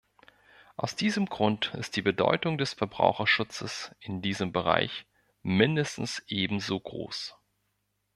Aus diesem Grund ist die Bedeutung des Verbraucherschutzes in diesem Bereich mindestens ebenso groß.